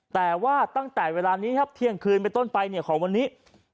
แต่ว่าตั้งแต่เวลานี้เที่ยงคืนเป็นต้นไปของวันนี้